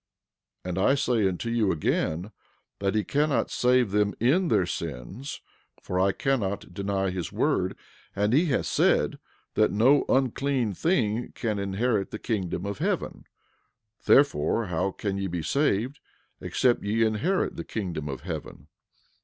11:37 And I say unto you again that he cannot save them in their sins; for I cannot deny his word, and he hath said that no unclean thing can inherit the kingdom of heaven; therefore, how can ye be saved, except ye inherit the kingdom of heaven?